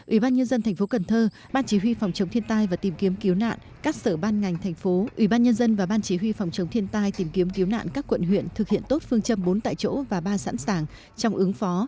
ủy ban nhân dân thành phố cần thơ ban chỉ huy phòng chống thiên tai và tìm kiếm cứu nạn các sở ban ngành thành phố ủy ban nhân dân và ban chỉ huy phòng chống thiên tai tìm kiếm cứu nạn các quận huyện thực hiện tốt phương châm bốn tại chỗ và ba sẵn sàng trong ứng phó